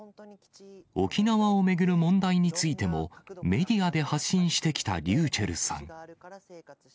沖縄を巡る問題についても、メディアで発信してきたｒｙｕｃｈｅｌｌさん。